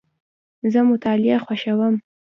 زه مطالعه خوښوم.